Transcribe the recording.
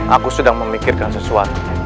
aku sudah memikirkan sesuatu